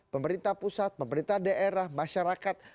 pemerintah pusat pemerintah daerah masyarakat